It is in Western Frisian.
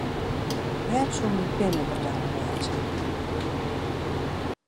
Wêr soe myn pinne bedarre wêze?